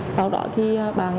sau đó thì